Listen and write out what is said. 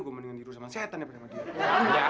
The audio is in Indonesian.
gue mendingan diri sama setan daripada sama dia